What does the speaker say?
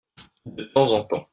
De temps en temps.